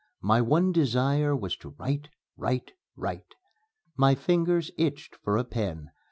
My one desire was to write, write, write. My fingers itched for a pen.